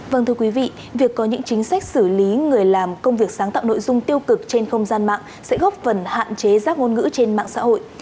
vâng thưa quý vị việc có những chính sách xử lý người làm công việc sáng tạo nội dung tiêu cực trên không gian mạng sẽ góp phần hạn chế rác ngôn ngữ trên mạng xã hội